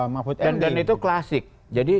mahfud md dan itu klasik jadi